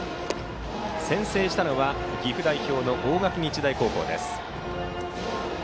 先制したのは岐阜代表の大垣日大高校です。